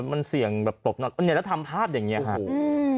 มันเสี่ยงแบบปลกหนักเนี้ยแล้วทำภาพอย่างเงี้ยฮะอืม